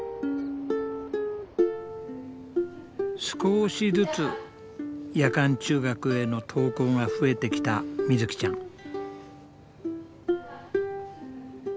少しずつ夜間中学への登校が増えてきたみずきちゃん。